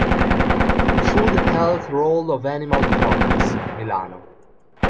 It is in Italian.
Food Health Role of animal products, Milano.